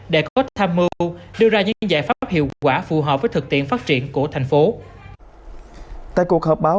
để có tham mưu đưa ra những giải pháp hiệu quả phù hợp với thực tiễn phát triển của thành phố